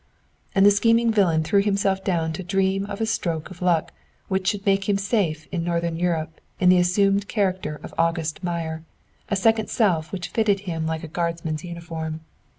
And the scheming villain threw himself down to dream of a stroke of luck which should make him safe in Northern Europe, in the assumed character of "August Meyer," a second self which fitted him like a Guardsman's uniform.